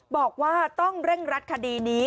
บอกว่าต้องเร่งรัดคดีนี้